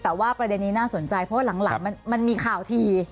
แต่ว่าประเด็นนี้น่าสนใจเพราะว่าหลังมันมีข่าวที